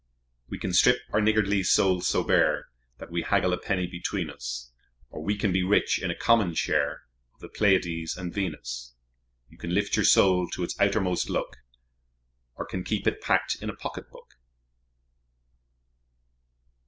We can strip our niggardly souls so bare That we haggle a penny between us; Or we can be rich in a common share Of the Pleiades and Venus. You can lift your soul to its outermost look, Or can keep it packed in a pocketbook.